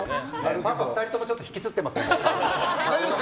パパ、２人ともちょっと引きつってますね。